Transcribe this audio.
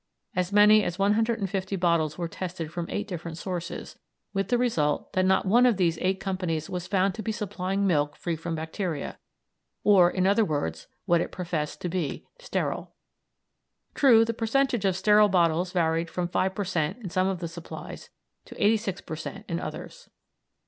As many as 150 bottles were tested from eight different sources, with the result that not one of these eight companies was found to be supplying milk free from bacteria, or, in other words, what it professed to be sterile. True, the percentage of sterile bottles varied from 5 per cent. in some of the supplies to 86 per cent. in others.